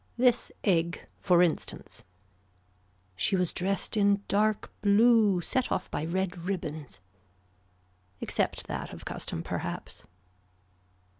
This egg for instance. She was dressed in dark blue set off by red ribbons. Except that of custom perhaps.